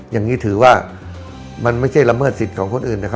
อย่างนี้ถือว่ามันไม่ใช่ละเมิดสิทธิ์ของคนอื่นนะครับ